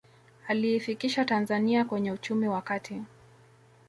aliifikisha tanzania kwenye uchumi wa kati